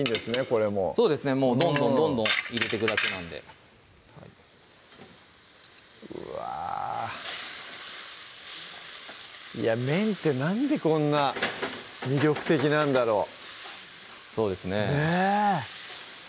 これもそうですねどんどんどんどん入れていくだけなんでうわ麺ってなんでこんな魅力的なんだろう？